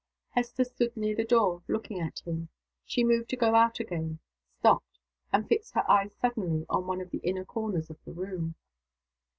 Hester stood near the door, looking at him. She moved to go out again stopped and fixed her eyes suddenly on one of the inner corners of the room.